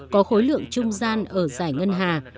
có khối lượng trung gian ở giải ngân hà